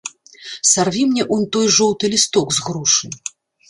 Сарві мне унь той жоўты лісток з грушы.